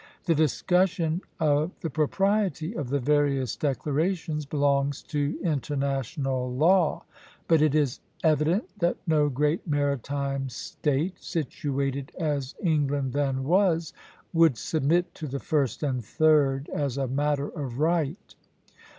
The discussion of the propriety of the various declarations belongs to International law; but it is evident that no great maritime State, situated as England then was, would submit to the first and third as a matter of right.